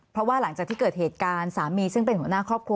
เพราะว่าหลังจากที่เกิดเหตุการณ์สามีซึ่งเป็นหัวหน้าครอบครัว